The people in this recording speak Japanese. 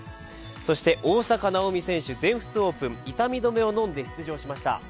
そして大坂なおみ選手、全仏オープン、痛み止めを飲んで出場しました。